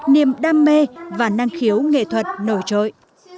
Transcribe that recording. niềm đam mê và năng khiếu nghệ thuật nổi trội